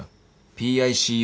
ＰＩＣＵ。